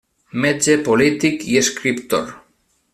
Metge, polític i escriptor.